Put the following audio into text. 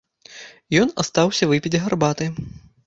І ён астаўся выпіць гарбаты.